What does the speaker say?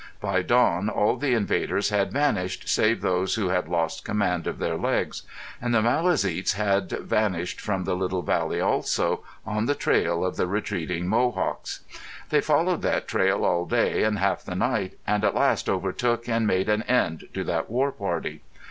By dawn all the invaders had vanished save those who had lost command of their legs. And the Maliseets had vanished from the little valley also, on the trail of the retreating Mohawks. They followed that trail all day and half the night, and at last overtook and made an end to that war party.